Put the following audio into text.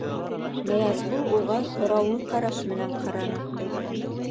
Ныязғол уға һораулы ҡараш менән ҡараны.